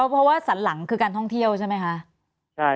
เพราะว่าสันหลังคือการท่องเที่ยวใช่ไหมคะ